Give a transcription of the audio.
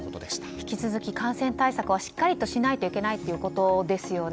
引き続き感染対策をしっかりしないといけないということですよね。